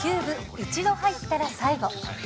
一度入ったら最後。